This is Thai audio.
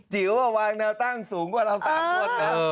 จิ๋วว่าวางเนื้อตั้งสูงกว่าเรา๓คน